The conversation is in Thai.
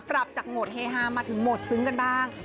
ปรับจากโหมดเฮฮามาถึงโหมดซึ้งกันบ้าง